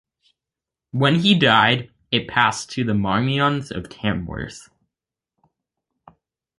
When he died it passed to the Marmions of Tamworth.